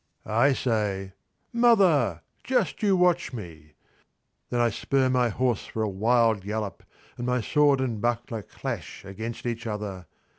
I say, "Mother, just you watch me." Then I spur my horse for a wild gallop, and my sword and buckler clash against each other.